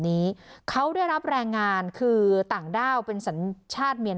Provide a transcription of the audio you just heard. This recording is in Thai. กลุ่มนี้เขาได้รับแรงงานคือต่างด้าวอเมีย